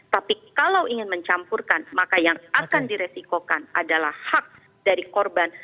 tapi kalau ingin mencampurkan maka yang akan diresikokan adalah hak dari korban